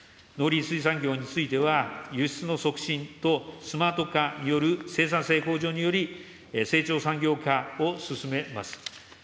農林水産業については輸出の促進とスマート化による生産性向上により、成長産業化を進めます。